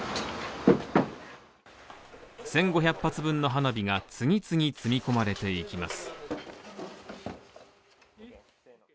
１５００発分の花火が次々積み込まれていきます。